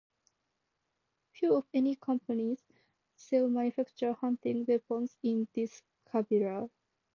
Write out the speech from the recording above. Few if any companies still manufacture hunting weapons in this caliber.